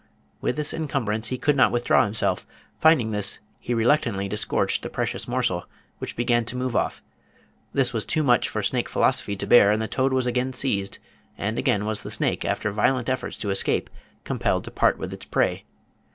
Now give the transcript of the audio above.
"With this encumbrance he could not withdraw himself; finding this, he reluctantly disgorged the precious morsel, which began to move off; this was too much for snake philosophy to bear, and the toad was again seized, and again was the snake, after violent efforts to escape, compelled to part with its prey.